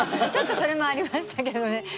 ちょっとそれもありましたけどね。